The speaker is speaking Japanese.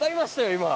今。